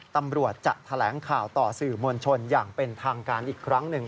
ตำรวจจะแถลงข่าวต่อสื่อมวลชนอย่างเป็นทางการอีกครั้งหนึ่ง